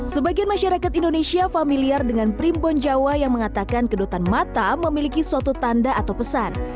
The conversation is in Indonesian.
sebagian masyarakat indonesia familiar dengan primbon jawa yang mengatakan kedutan mata memiliki suatu tanda atau pesan